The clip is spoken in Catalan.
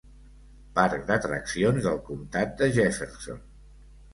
Parc d'atraccions del comtat de Jefferson.